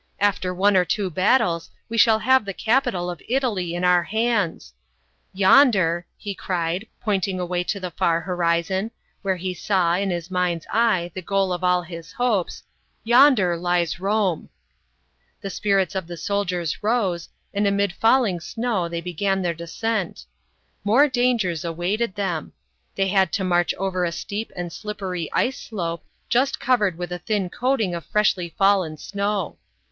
" After one or two battles we shall have the capital of Italy in our hands. Yonder," he cried, pointing away to the fair horizon, where he saw, in his mind's eye, the goal of all his hopes "yonder lies Rome." * The spirits of the soldiers rose, and amid fall ing snow, tbey began the descent. More dangers awaited them. They had to march over a steep and slippery ice slope, just covered with a thin coating of freshly fallen snow.